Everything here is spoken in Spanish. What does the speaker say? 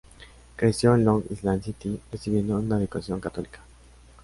Creció en Long Island City, recibiendo una educación católica.